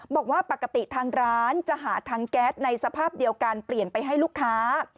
บอกว่าปกติทางร้านจะหาทางแก๊สในสภาพเดียวกันเปลี่ยนไปให้ลูกค้า